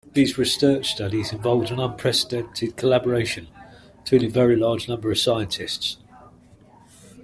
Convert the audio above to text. These research studies involved an unprecedented collaboration between a very large number of scientists.